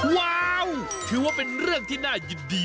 ว้าวถือว่าเป็นเรื่องที่น่ายินดี